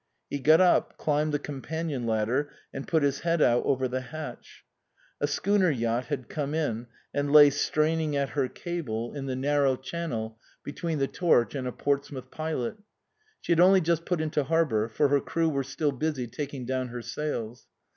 He got up, climbed the companion ladder, and put his head out over the hatch. A schooner yacht had come in, and lay straining at her cable in the 149 THE COSMOPOLITAN narrow channel between the Torch and a Ports mouth pilot. She had only just put into harbour, for her crew were still busy taking down her sails.